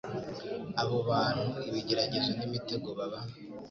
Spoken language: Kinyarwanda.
abo bantu ibigeragezo n’imitego baba